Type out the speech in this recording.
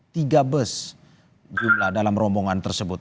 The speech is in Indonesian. tiga bus dalam rombongan tersebut